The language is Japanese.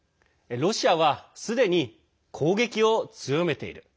ロシアはすでに攻撃を強めている。